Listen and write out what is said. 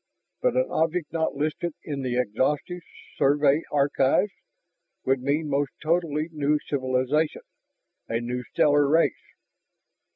But an object not listed in the exhaustive Survey Archives would mean some totally new civilization, a new stellar race.